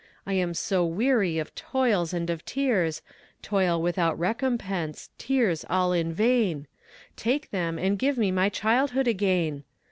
I am so weary of toils and of tears, Toil without recompense tears all in vain Take them, and give me my childhood again.